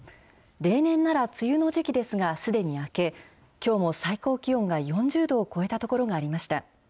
例年なら梅雨の時期ですが、すでに明け、きょうも最高気温が４０度を超えた所がありました。